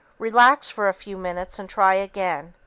Relax for a few minutes and try again.